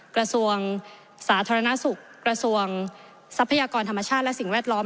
กระทรวงสาธารณสุขกระทรวงทรัพยากรธรรมชาติและสิ่งแวดล้อม